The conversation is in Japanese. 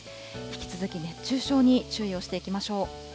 引き続き熱中症に注意をしていきましょう。